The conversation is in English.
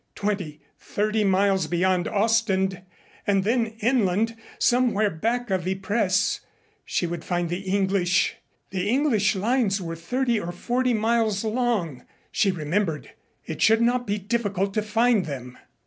Twenty thirty miles beyond Ostend and then inland somewhere back of Ypres she would find the English. The English lines were thirty or forty miles long, she remembered. It should not be difficult to find them.